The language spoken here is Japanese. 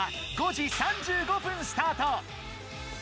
５時３５分スタート！